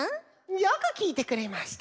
よくきいてくれました。